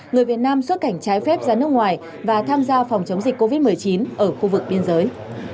người việt nam xuất cảnh trái phép ra nước ngoài và tham gia phòng chống dịch covid một mươi chín ở khu vực biên giới